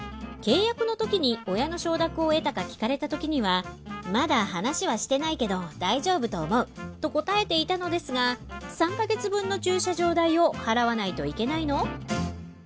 契約の時に親の承諾を得たか聞かれた時には「まだ話はしてないけど大丈夫と思う」と答えていたのですが３か月分の駐車場代を払わないといけないの？